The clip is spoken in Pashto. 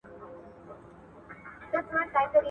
څه شی د وړیا درملني حق تضمینوي؟